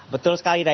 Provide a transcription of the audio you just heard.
betul sekali nah